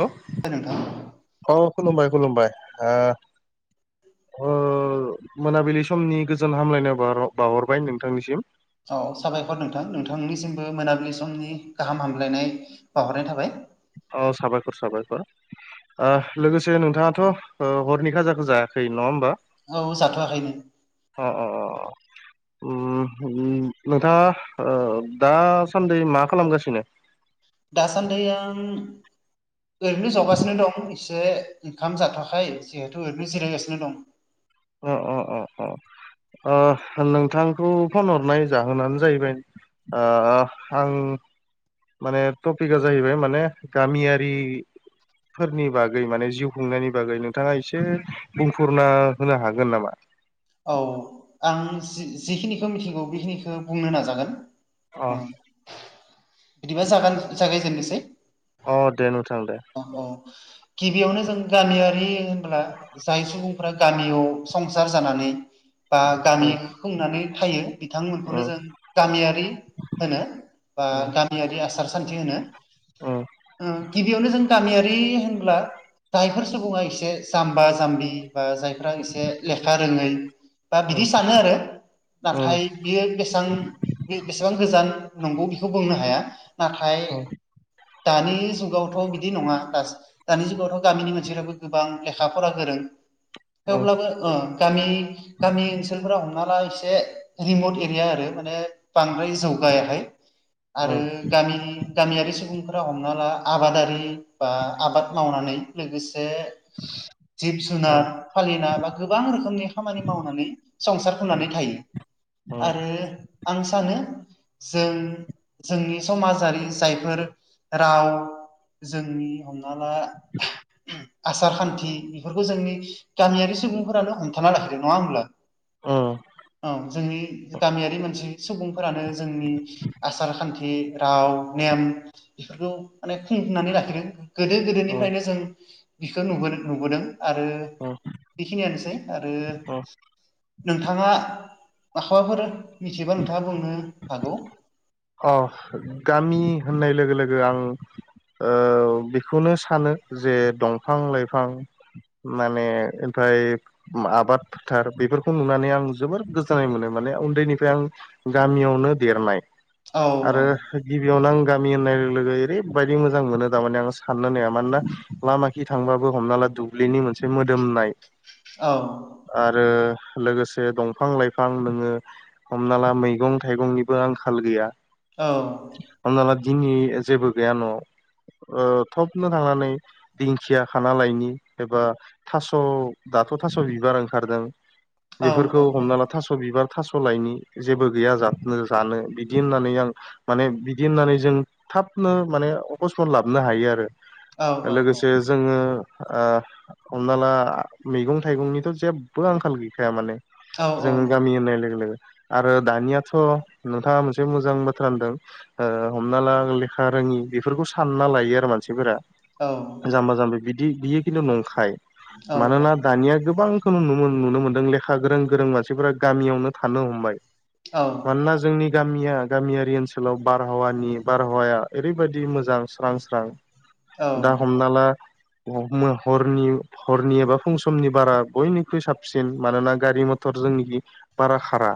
Hello [unintelligible] नोंथां अ खुलुमबाय खुलुमबाय ओ मोनाबिलि समनि गोजोन हामलायनायाव बाहरबाय नोंथांनिसिम। औ साबायखर नोंथां नोंथांनिसिमबो मोनाबिलि समनि गाहाम हामलायनाय बावहरनाय थाबाय। अ साबायखर साबायखर लोगोसे नोंथाङाथ' हरनि खाजाखौ जायाखै नङा होमबा? औ जाथ'वाखैनो अ अ अ नोंथाङा दासान्दि मा खालामगासिनो? दासान्दै आं ओरैनो जावगासिनो दं एसे ओंखाम जाथ'वाखै जिहेथु ओरैनो जिरायगासिनो दं। अ अ अ अ नोंथांखौ फन हरनाय जाहोनानो जाहैबाय अ आं माने टपिका जाहैबाय माने गामियारि फोरनि बागै माने जिउ खुंनायनि बागै नोंथाङा एसे बुंफोरना होनो हागोन नामा? औ आं जिखिनिखौ मिथिगौ बेखिनिखौ बुंनो नाजागोन। अ बिदिबा जागा जागायजेननोसै अ दे नोंथां दे औ औ गिबियावनो जों गामियारि होनब्ला जाय सुबुंफ्रा गामियाव संसार जानानै बा गामि उम होननानै थायो बिथांमोनखौनो उम जों गामियारि होनो बा उम गामियारि आसार सान्थि होनो उम उम गिबि यावनो जों गामियारि होनब्ला जायफोर सुबुङा एसे जाम्बा जाम्बि बा जायफ्रा एसे लेखा रोङै बा उम बिदि सानो आरो उम नाथाय बियो बेसेबां बेसेबां गोजान नंगौ बेखौ बुंनो हाया। नाथाय उम दानि जुगाव थ' बिदि नङा दानि जुगावथ' गामिनि मानसिफ्राबो गोबां लेखा फरा गोरों उम थेवब्लाबो अ गामि गामि ओनसोलफोरा हमना ला एसे रिमट एरिया आरो माने बांद्राय जौगायाहाय उम आरो गामि गामियारि सुबुंफोरा हमना ला आबादारि बा आबाद मावनानै लोगोसे जिब जुनार उम फालिना बा गोबां रोखोमनि खामानि मावनानै संसार होनानै थायो। आरो आं सानो। जों जोंनि समाजारि जायफोर राव जोंनि हमना ला आसार खान्थि बेफोरखौ जोंनि गामियारि सुबुंफोरानो हमथाना लाखैदों नङा होमब्ला? उम औ जोंनि गामियारि मोनसे सुबुंफोरानो जोंनि आसारखान्थि राव नेम बेफोरखौ माने खुंनानै लाखिदों गोदो गोदोनिफ्रायनो जों बिखौ नुबो नुबोदों। आरो उम बेखिनियानोसै आरो उम नोंथाङा माखौबाफोर मिथिबा नोंथाङा बुंनो हागौ। अ गामि होननाय लोगो लोगो आं ओ बेखौनो सानो जे दंफां-लाइफां मानेफाय आबाद फोथार बेफोरखौ नुनानै आं जोबोर गोजोननाय मोनो माने उन्दैनिफ्राय आं। गामियावनो देरनाय औ आरो औ गिबियावनो आं गामि होननाय लोगो ओरैबायदि मोजां मोनो थारमाने आं साननो नाया मानोना लामा खि थांबाबो हमना ला दुब्लिनि मोनसे मोदोमनाय। औ आरो लोगोसे दंफां लाइफां नोङो हमना ला मैगं थाइगंनिबो आंखाल गैया औ। हमना ला दिननि जेबो गैया न'आव थाबनो थांनानै। दिंखिया खाना लायनि एबा थास' दाथ' थास' बिबार ओंखारदों बेफोरखौ हमना ला थास' बिबार थास' लाइनि जेबो गैया जानो बिदि होननानै। आ माने बिदि होननानै जों थाबनो माने अखसमन लाबोननो हायो आरो। लोगोसे जोङो हमना ला मैगं थाइगंनिथ' जेबो आंखाल गैखाया माने। जों गामि होननाय लोगो लोगो आरो दानियाथ' नोंथाङा मोनसे मोजां। मोजां बाथ्रा होनदों हमना ला लेखा रोङि बेफोरखौ सानना लायो आरो मानसिफोरा। औ। जाम्बा जाम्बि बिदि बियो खिन्थु नंखाय मानोना दानिया गोबां नुनो मोनदों लेखा गोरों गोरों मानसिफोरा गामियावनो थानो हमबाय। औ। मानोना जोंनि गामिया गामियारि ओनसोलाव बारहावानि बारहावाया ओरैबायदि मोजां स्रां स्रां। दा हमना ला हरनि एबा फुं समनि बारा बयनिख्रुइ साबसिन मानोना गारि मथर जोंनिख बारा खारा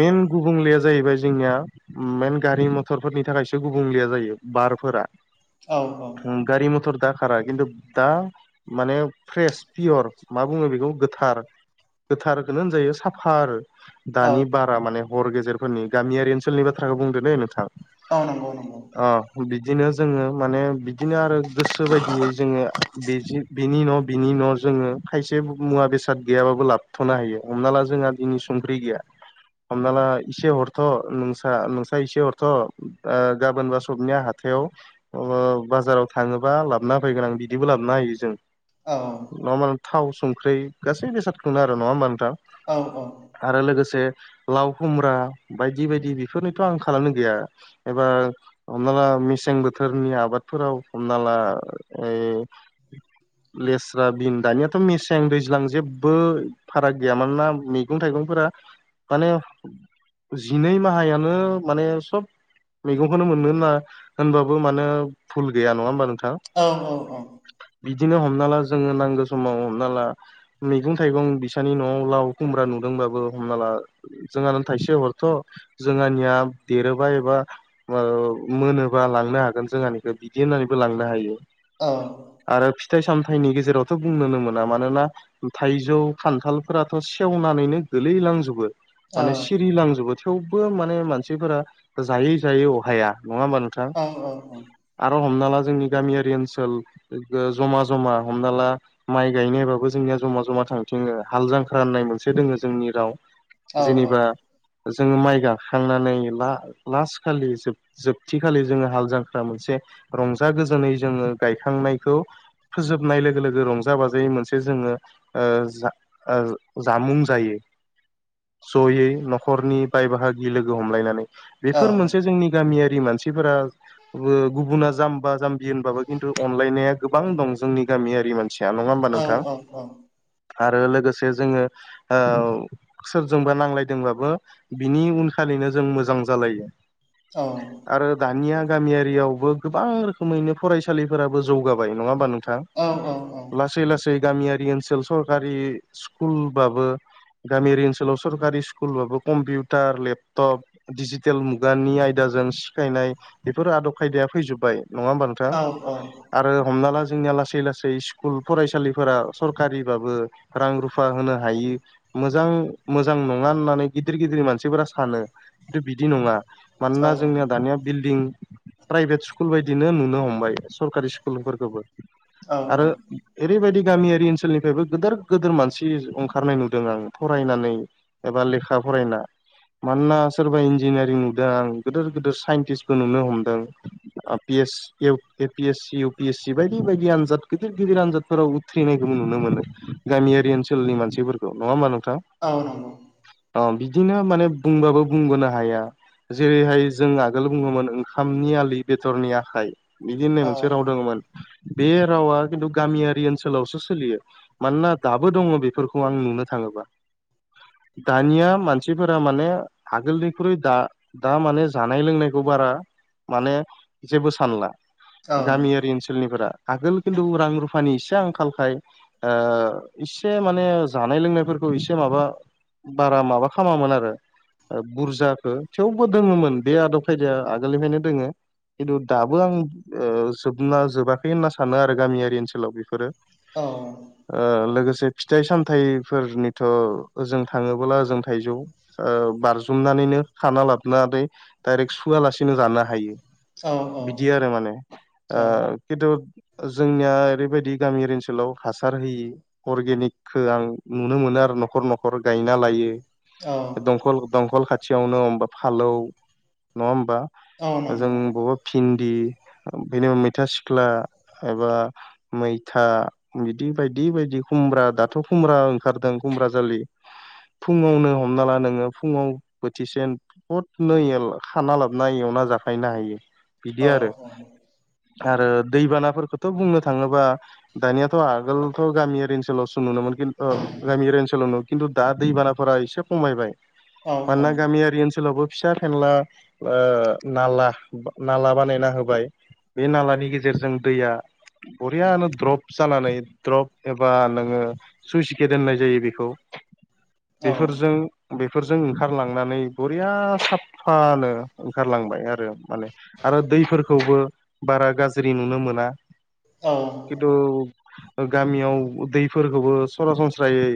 मेन गुबुंलेया जाहैबाय। जोंनिया मेन गारि मथरफोरनि थाखायसो गुबुंलेया जायो बारफोरा। औ औ गारि मटर दा खारा खिथु दा माने फ्रेस पियर मा बुङो बेखौ गोथार। गोथारखोनो होनजायो साफा आरो औ दानि बारा माने हर गेजेरफोरनि गामियारि ओनसोलनि बाथ्राखौ बुंद नै नोंथां। औ नंगौ नंगौ। अ बिदिनो जोङो माने। बिदिनो आरो गोसो बायदियै जोङो बे बेनि उन' बिनि उन'ाव जोङो खायसे मुवा बेसाद गैयाबाबो लाबथ'नो हायो हमना ला जोंहा दिनै संख्रि गैया। अमला इसे ह थ' न नोंसा एसे हरथ' गाबोनबा सबनिया हाथायाव अ बाजाराव थाङोबा लाबोना हो फैगोन आं बिदिबो लाबोन होयो जों औ। नङा मानो थाव संख्रि गासै बेसादखौनो आरो नङा होमबानो दा औ औ। आरो लोगोसे लाव खुमब्रा बायदि बायदि बेफोरनोथ' आं खालामनो गैया। एबा हमना ला मेसें बोथोरनि आबादफोराव हमना ला ओ लेस्रा बिन दानियाथ' मेसें दैज्लां जेबो फाराग गैया मानोना मैगं थाइगंफोरा माने जिनै माहायानो माने सब मैगंखौनो मोनगोना होनबाबो मानो फुल गैया नङा होमबा नोंथां औ औ औ बिदिनो हमना ला जोङो नांगौ समाव हमना ला मैगं थाइगं बिसानि न'आव लाव खुमब्रा नुदोंबाबो हमना ला जोंहानो थाइसे हर थ' जोंहानिया देरोबा एबा मोनोबा लांनो हागोन जोंहानिखौ बिदि होननानैबो लांनो हायो औ आरो फिथाइ सामथाइनि गेजेरावथ' बुंनोनो मोना मानोना थाइजौ खान्थालफोराथ' सेवनानैनो गोलैलांजोबो औ औ माने औ सिरिलांजोबो थेवबो माने मानसिफोरा जायै जायै अहाया नङा होमबा नों औ औ औ आरो हमना ला जोंनि गामियारि ओनसोल जमा जमा हमना ला माइ गायनायबाबो जोंनिया जमा जमा थांथिङो हाल जांख्रा होननाय मोनसे दोङो जोंनि राव जेनेबा जोङो माइ गाखांनानै ला लास् खालि जोब जोबथिखालि जोङो हाल जांख्रा मोनसे रंजा गोजोनै जोङो गायखांनायखौ फोजोबनाय लोगो लोगो रंजा बाजायै मोनसे जोङो जा जामुं जायो जयै नखरनि बाय बाहागि लोगो हमलायनानै बेफोर मोनसे जोंनि गामियारि मानसिफोरा गुबुना जाम्बा जाम्बि होनबाबो खिन्थु अनलायनाया गोबां दं जोंनि गामियारि मानसि मिनथिया नङा होमबा नोंथां आरो लोगोसे जोङो सोरजोंबा नांलायदोंबाबो बिनि उनखालिनो जों मोजां जालायो औ आरो दानिया गामियारियावबो गोबां रोखोमैनो फरायसालिफोराबो जौगाबाय नङा होमबा नोंथां औ औ लासै लासै गामियारि ओनसोल सरकारि स्कुलबाबो गामियारि ओनसोलाव सरकारि स्कुलबाबो कम्पिउटार लेपटप दिजिटेल मुगानि आयदाजों सिखायनाय बेफोर आदब खायदाया फैजोबबाय नङा होमबा नों औ औ आरो हमना ला जोंनिया लासै लासै स्कुल फरायसालिफोरा सरकारिबाबो रां रुफा होनो हायो मोजां मोजां नङा होननानै गिदिर गिदिर मानसिफोरा सानो खिन्थु बिदि नङा मानोना जोंनिया दानिया बिल्डिं प्राइभेट स्कुल बायदिनो नुनो हमबाय सरकारि स्कुलफोरखौबो आरो ओरैबायदि गामियारि ओनसोलनिफ्रायबो गोदोर गोदोर मानसि ओंखारनाय नुदों आं फरायनानै एबा लेखा फरायना मानोना सोरबा इन्जिनियारिं नुदों आ गिदिर गिदिर साइन्टिस्फोर नुनो हमदों A P S C U P S C बायदि बायदि आनजाद गिदिर गिदिर आनजादफोराव उथ्रिनायखौबो नुनो मोनो गामियारि ओनसोलनि मानसिफोरखौ नङा होमबा नोंथां औ नंगौ अ बिदिनो माने बुंबाबो बुंबोनो हाया जेरैहाय जों आगोल बुङोमोन ओंखामनि आलि बेदरनि आखाइ बिदि होननाय मोनसे राव दङमोन बे रावा खिन्थु गामियारि ओनसोलावसो सोलियो मानोना दाबो दङ बेफोरखौ आं नुनो थाङोबा दानिया मानसिफोरा माने आगोलनिख्रुइ दा दा माने जानाय लोंनायखौ बारा माने जेबो सानला गामियारि ओनसोलनिफोरा आगोल खिन्थु रां रुफानि इसे आंखालखाय इसे माने जानाय लोंनायफोरखौ एसे माबा बारा माबा खालामामोन आरो बुरजाखौो थेवबो दोङोमोन बे आदब खायदाया आगोलनिफ्रायनो दोङो खिन्थु दाबो आं जोबना जोबाखै होनना सानो आरो गामियारि ओनसोलाव बेफोरो लोगोसे फिथाइ सामथाइफोरनिथ' ओ जों थाङोोब्ला जों थाइजौ बारजुमनानैनो खाना लाबोनानै डायरेक्ट सुआलासिनो जानो हायो बिदि आरो माने ओ खिन्थु जोंनिया ओरैबायदि गामियारि ओनसोलाव हासार होयो। अर्गेनिकखौ आं नुनो मोनो आरो न'खर न'खर गायना लायो औ औ दम दमखल खाथि खाथियावनो हबा फालौ नङा होमबा? औ नंगौ जों बबेबा भिन्दि बेनिा मैथा सिख्ला एबा मैथा बिदि बायदि बायदि खुमब्रा दाथ' खुमब्रा ओंखारदों खुमब्रााजालि फुङावनो हमना ला नोङो फुङाव बोथिसे बथ नै खाना लाबोना एवना जाखायनो हायो बिदि औ आरो। आरो दैबानाफोरखौथ' बुंनो थाङोबा दानियाथ' आगोलथ' गामियारि ओनसोलावसो नुयो खिनथु गामियारि ओनसोलाव नुनो खिन्थु दा दैबानाफोरा एसे खमायबाय औ मानोना गामियारि ओनसोलावबो फिसा फिनला नाला नाला बानायना होबाय। बे नालानि गेजेरजों दैया बरियाानो द्रप जानानै द्रप एबा नोङो सुइस गेट होननाय जायो बेखौ बेफोरजों बेफोरजों ओंखारलांनानै बरिया साफानो ओंखारलांबाय आरो। माने आरो दैफोरखौबो बारा गाज्रि नुनो मोना। औ खिन्थु गामियाव दैफोरखौबो सरासनस्रायै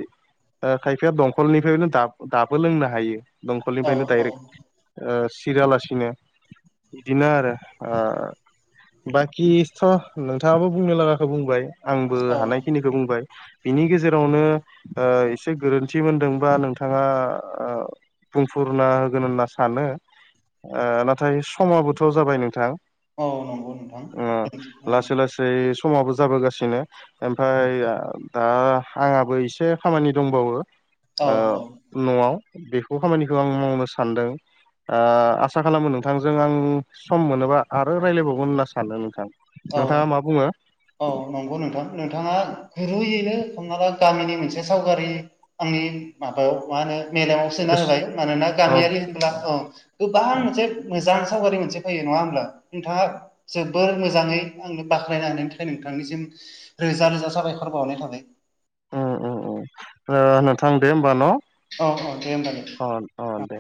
खायफाया दंखलनिफ्रायनो दाबो लोंनो हायो दंखलनिफ्रायनो दडायरेक्ट सिरियालासिनो बिदिनो आरो ओ बाखिथ' नोंथाङाबो बुंनो लागाखौ बुंबाय आंबो औ हानायखिनिखौ बुंबाय बिनि गेजेरावनो एसे गोरोन्थि मोनदोंबा नोंथाङा बुंफुरना होगोन होनना सानो। नाथाय समाबोथ' जाबाय नोंथां औ नंगौ नोंथां दोनसै गासै समाबो जाबोगासिनो ओमफफ्राय दा आंहाबो एसे खामानि दंबावो औ न'आव बेखौ खामानिखौ आं मावनो सानदों। आसा खालामो नोंथांजों आं सम मोनोबा आरो रायजलायबावगोन होनना सानो नोंथां। औ नोंथाङा मा बुङो? औ नंगौ नोंथां नोंथाङा गुरुयैनो हमना ला गामिनि मोनसे सावगारि आंनि माबायाव मा होनो मेलेमाव सोना गोस होबाय मानोना अ गामियारि होनब्ला औ गोबां मोनसे मोजां सावगारि मोनसे फैयो नङा होमब्ला नोंथाङा जोबोर मोजाङै आंनो बाखनायनानै नाथाय नोंथांनिसिम रोजा रोजा साबायखर बावनाय थाबाय। नोंथां दे होमबा न' औ औ दे होनबा दे अ औ दे